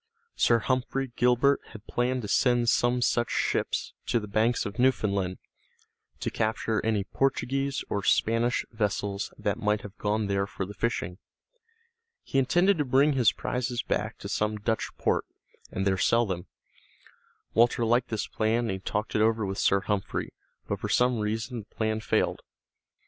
Sir Humphrey Gilbert had planned to send some such ships to the banks of Newfoundland to capture any Portuguese or Spanish vessels that might have gone there for the fishing. He intended to bring his prizes back to some Dutch port, and there sell them. Walter liked this plan and he talked it over with Sir Humphrey, but for some reason the plan failed.